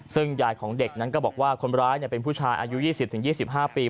ซึ่งยายของเด็กนั้นก็บอกว่าคนร้ายเป็นผู้ชายอายุ๒๐๒๕ปี